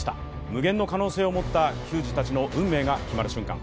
無限の可能性を持った球児たちの運命が決まる瞬間。